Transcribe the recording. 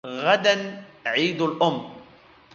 غداً عيد الأم.